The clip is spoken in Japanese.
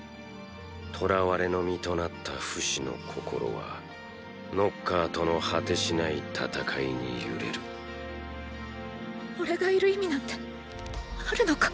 囚われの身となったフシの心はノッカーとの果てしない戦いに揺れるおれがいる意味なんてあるのか？